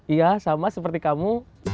iya sama seperti kamu